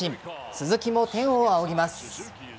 鈴木も天を仰ぎます。